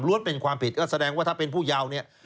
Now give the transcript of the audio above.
เป็นความผิดก็แสดงว่าถ้าเป็นผู้เยาว์เนี่ย